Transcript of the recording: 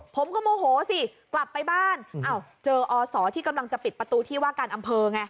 โมโหสิกลับไปบ้านอ้าวเจออศที่กำลังจะปิดประตูที่ว่าการอำเภอไง